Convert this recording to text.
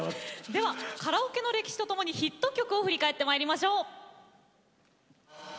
ではカラオケの歴史とともにヒット曲を振り返ってまいりましょう。